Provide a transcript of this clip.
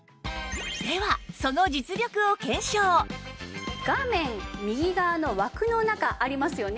ではその画面右側の枠の中ありますよね。